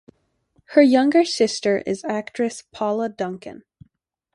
Her younger sister is actress Paula Duncan.